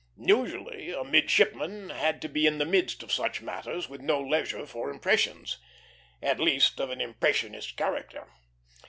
Usually a midshipman had to be in the midst of such matters with no leisure for impressions at least, of an "impressionist" character.